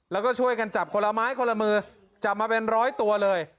แล้วก็ช่วยกันจับคนละไม้คนละมือจับมาเป็นร้อยตัวเลย